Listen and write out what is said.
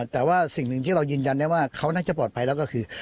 แต่ว่าสิ่งหนึ่งที่เรายืนยันได้ว่าเขาน่าจะปลอดภัยแล้วก็คือ